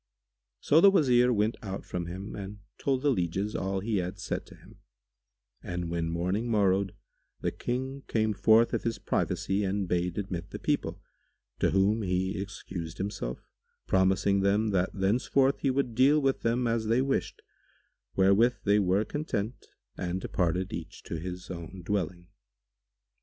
So the Wazir went out from him and told the lieges all he had said to him; and, when morning morrowed, the King came forth of his privacy and bade admit the people, to whom he excused himself, promising them that thenceforward he would deal with them as they wished, wherewith they were content and departed each to his own dwelling.